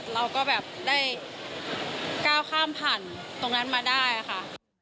เราก็แบบได้ก้าวข้ามผ่านตรงนั้นมาได้ค่ะ